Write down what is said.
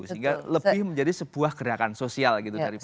sehingga lebih menjadi sebuah gerakan sosial gitu daripada